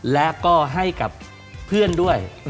และก็ให้กับเพื่อนด้วย